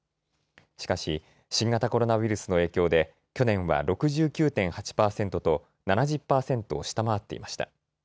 しかし新型コロナウイルスの影響で去年は６９．８％と７０％を下回っていました。